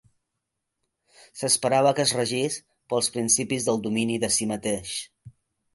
S'esperava que es regís pels principis del domini de si mateix.